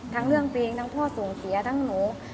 ทั้งเรื่องเพลงทั้งพ่อส่งเสียทั้งหนู